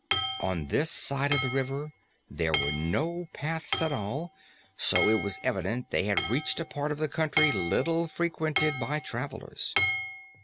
On this side of the river, there were no paths at all, so it was evident they had reached a part of the country little frequented by travelers.